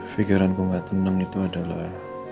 pikiran ku nggak tenang itu adalah